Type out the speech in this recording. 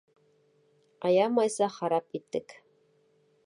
Аямайса харап иттек.